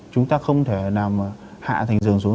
chúng ta không thể nào hạ thành giường xuống